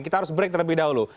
kita harus break terlebih dahulu